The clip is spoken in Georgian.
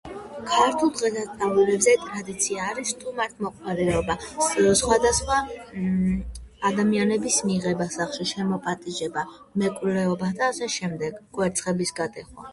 ქართულ დღესასწაულებზე ტრადიცია არის სტუმართმოყვარეობა, სხვადასხვა ადამიანების მიღება სახლში, შემოპატიჟება, მეკვლეობა და ასე შემდეგ, კვერცხების გატეხვა.